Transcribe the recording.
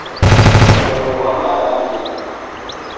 Wukongo ghwa malaria